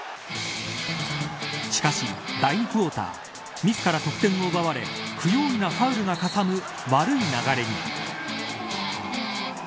しかし、第２クオーターミスから得点を奪われ不用意なファウルがかさむ悪い流れに。